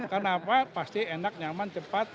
karena apa pasti enak nyaman cepat